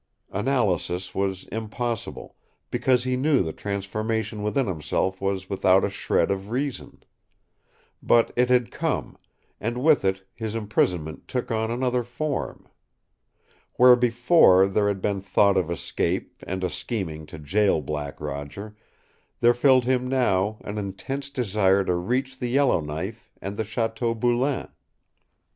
Analysis was impossible, because he knew the transformation within himself was without a shred of reason. But it had come, and with it his imprisonment took on another form. Where before there had been thought of escape and a scheming to jail Black Roger, there filled him now an intense desire to reach the Yellowknife and the Chateau Boulain.